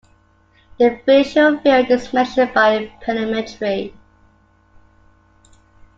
The visual field is measured by perimetry.